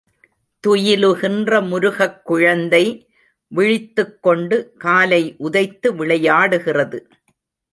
துயிலுகின்ற முருகக் குழந்தை விழித்துக் கொண்டு காலை உதைத்து விளையாடுகிறது.